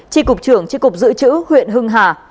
tri cục trưởng tri cục dự trữ huyện hưng hà